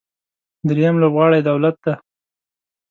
درېیم لوبغاړی دولت دی.